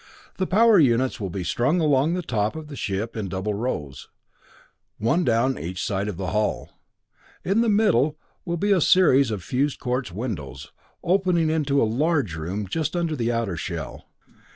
The power units will be strung along the top of the ship in double rows one down each side of the hull. In the middle will be a series of fused quartz windows, opening into a large room just under the outer shell.